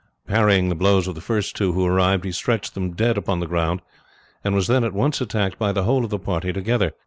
Parrying the blows of the first two who arrived he stretched them dead upon the ground, and was then at once attacked by the whole of the party together.